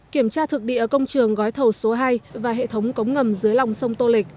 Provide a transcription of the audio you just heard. kiểm tra thực địa ở công trường gói thầu số hai và hệ thống cống ngầm dưới lòng sông tô lịch